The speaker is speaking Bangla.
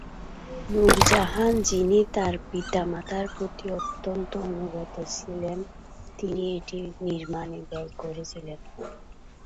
নূরজাহান, যিনি তাঁর পিতা-মাতার প্রতি অত্যন্ত অনুগত ছিলেন, তিনি এটি নির্মাণে ব্যয় করেছিলেন।